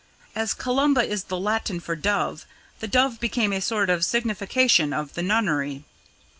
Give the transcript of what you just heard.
As Columba is the Latin for dove, the dove became a sort of signification of the nunnery.